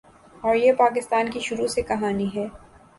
اور یہ پاکستان کی شروع سے کہانی ہے۔